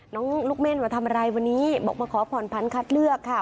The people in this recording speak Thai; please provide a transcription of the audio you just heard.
ลูกเม่นมาทำอะไรวันนี้บอกมาขอผ่อนพันธัดเลือกค่ะ